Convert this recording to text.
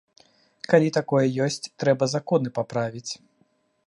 Калі такое ёсць, трэба законы паправіць.